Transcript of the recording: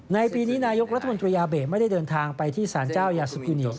ในปีนี้นายกรัฐมนตรียาเบะไม่ได้เดินทางไปที่สารเจ้ายาสุกินิกส